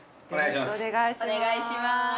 よろしくお願いします。